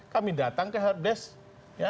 kami datang ke helpdesk